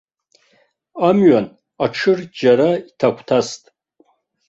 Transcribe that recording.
Амҩан аеырџьара иҭагәҭаст.